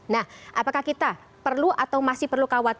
nah apakah kita perlu atau masih perlu khawatir